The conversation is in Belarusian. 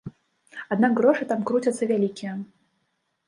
Аднак грошы там круцяцца вялікія.